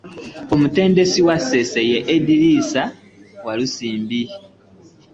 Omutendesi wa Ssese ye Edrisa Walusimbi